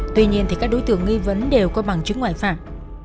tuy nhiên các đối tượng nghi vấn đều có bằng chứng ngoại phạm